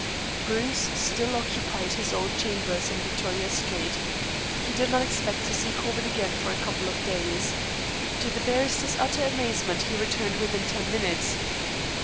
Bruce still occupied his old chambers in Victoria Street. He did not expect to see Corbett again for a couple of days. To the barrister's utter amazement he returned within ten minutes.